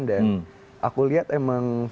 dan aku lihat emang followersnya